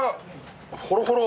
ホロホロ。